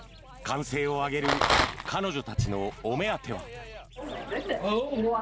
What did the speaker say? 歓声を上げる彼女たちのお目当ては。